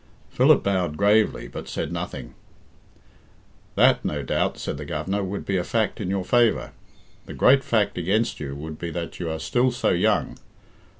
Philip bowed gravely, but said nothing. "That, no doubt," said the Governor, "would be a fact in your favour. The great fact against you would be that you are still so young.